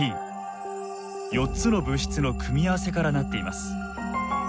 ４つの物質の組み合わせから成っています。